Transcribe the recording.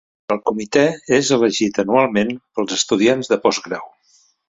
El Comitè és elegit anualment pels estudiants de postgrau.